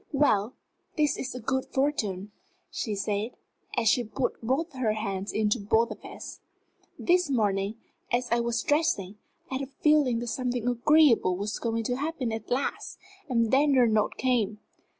"Well, this is good fortune," she said, as she put both her hands into both of his. "This morning, as I was dressing, I had a feeling that something agreeable was going to happen at last and then your note came.